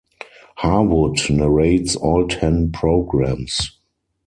Harwood narrates all ten programmes.